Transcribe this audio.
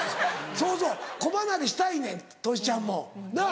そうそう子離れしたいねんトシちゃんもなっ。